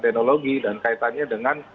teknologi dan kaitannya dengan